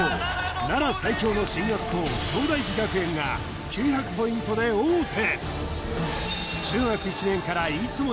奈良最強の進学校東大寺学園が９００ポイントで王手